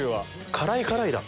辛い辛いだ。